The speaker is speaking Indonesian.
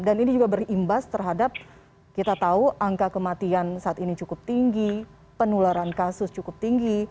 dan ini juga berimbas terhadap kita tahu angka kematian saat ini cukup tinggi penularan kasus cukup tinggi